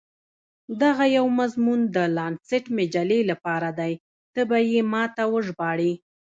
دغه یو مضمون د لانسیټ مجلې لپاره دی، ته به يې ما ته وژباړې.